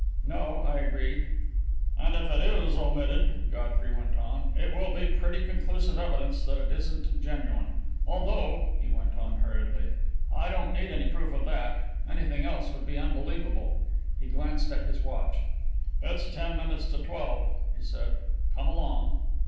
"No," I agreed. "And if it is omitted," Godfrey went on, "it will be pretty conclusive evidence that it isn't genuine. Although," he went on hurriedly, "I don't need any proof of that anything else would be unbelievable." He glanced at his watch. "It's ten minutes to twelve," he said. "Come along."